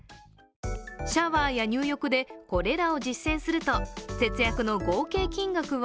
シャワーや入浴でこれらを実践すると節約の合計金額は